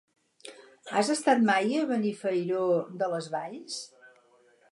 Has estat mai a Benifairó de les Valls?